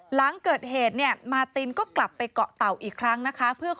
หลังเกิดเหตุเนี่ยมาตินก็กลับไปเกาะเต่าอีกครั้งนะคะ